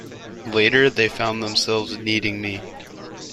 Later they found themselves needing me.